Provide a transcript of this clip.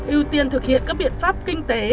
ưu tiên thực hiện các biện pháp kinh tế